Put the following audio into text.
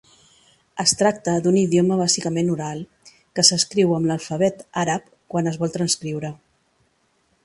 Es tracta d'un idioma bàsicament oral, que s'escriu amb l'alfabet àrab quan es vol transcriure.